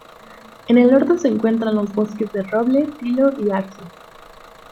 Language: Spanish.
En el norte se encuentran los bosques de roble, tilo y arce.